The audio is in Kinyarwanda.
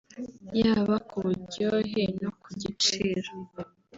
yaba ku buryohe no ku giciro